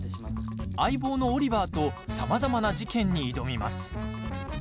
相棒のオリバーとさまざまな事件に挑みます。